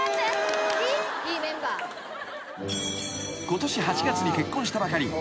［ことし８月に結婚したばかり］